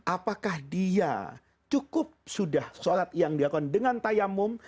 apakah dia cukup sudah sholat yang diakon dengan tayammum